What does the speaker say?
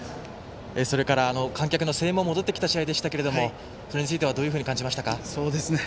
それから、観客の声援も戻ってきた試合でしたけれどもそれについてはどういうふうに感じましたか？